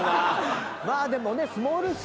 まあでもね。